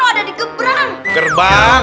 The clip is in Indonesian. udah di gebrang